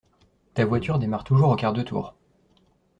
Ta voiture démarre toujours au quart de tour.